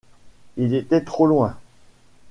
Il était trop loin.